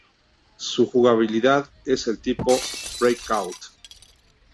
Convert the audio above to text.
Su jugabilidad es de tipo Breakout.